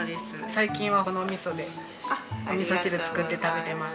最近はこの味噌でお味噌汁作って食べてます。